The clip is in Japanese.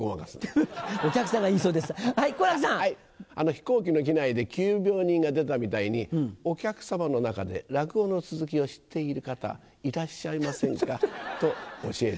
飛行機の機内で急病人が出たみたいに「お客様の中で落語の続きを知っている方いらっしゃいませんか？」と教えてもらう。